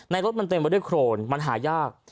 รถมันเต็มไปด้วยโครนมันหายาก